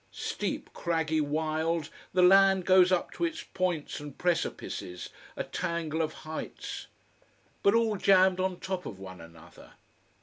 Steep, craggy, wild, the land goes up to its points and precipices, a tangle of heights. But all jammed on top of one another.